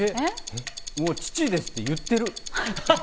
父ですって言ってる。